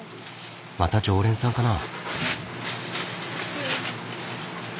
また常連さんかな？